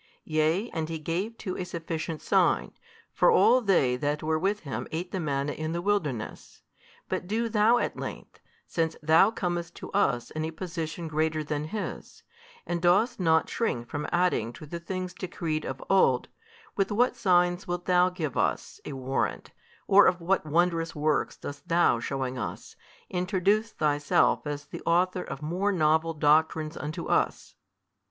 Yea and he gave too a sufficient sign, for all they that were with him ate the manna in the wilderness. But do THOU at length, since Thou comest to us in a position greater than his, and dost not shrink from adding to the things decreed of old, with what signs wilt Thou give us a warrant, or what of wondrous works dost Thou shewing us, introduce Thyself as the Author of more novel doctrines unto us?